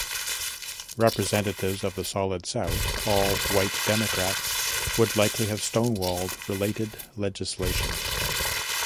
Representatives of the Solid South, all white Democrats, would likely have stonewalled related legislation.